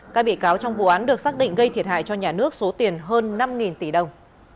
các bị cáo trong vụ án được xác định gây thiệt hại cho nhà nước số tiền hơn năm tỷ đồng